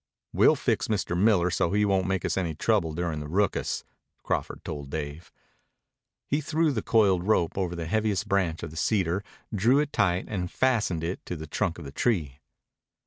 "We'll fix Mr. Miller so he won't make us any trouble during the rookus," Crawford told Dave. He threw the coiled rope over the heaviest branch of the cedar, drew it tight, and fastened it to the trunk of the tree.